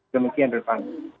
demikian di sana